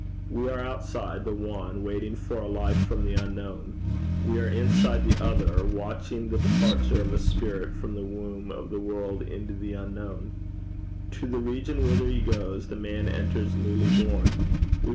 We are outside the one, waiting for a life from the unknown; we are inside the other, watching the departure of a spirit from the womb of the world into the unknown. To the region whither he goes, the man enters newly born.